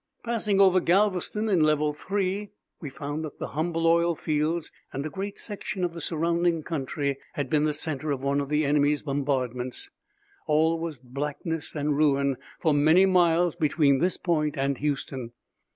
Passing over Galveston in level three, we found that the Humble oil fields and a great section of the surrounding country had been the center of one of the enemy bombardments. All was blackness and ruin for many miles between this point and Houston.